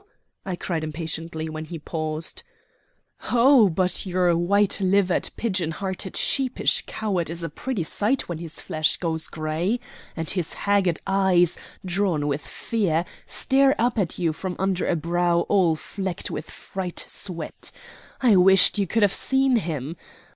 I cried impatiently when he paused. "Ho, but your white livered, pigeon hearted, sheepish coward is a pretty sight when his flesh goes gray, and his haggard eyes, drawn with fear, stare up at you from under a brow all flecked with fright sweat. I wish you could have seen him.